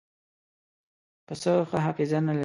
پسه ښه حافظه نه لري.